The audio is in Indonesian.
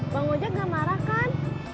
bang ojek gak marah kan